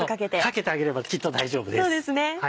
かけてあげればきっと大丈夫です。